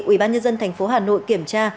ubnd tp hà nội kiểm tra